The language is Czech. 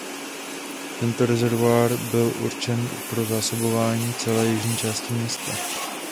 Tento rezervoár byl určen pro zásobování celé jižní části města.